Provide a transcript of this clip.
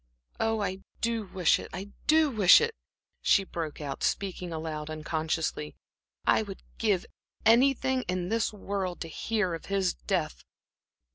"Oh, I do wish it, I do wish it!" she broke out, speaking aloud, unconsciously. "I would give anything in this world to hear of his death."